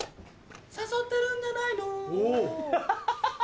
誘ってるんじゃないのお！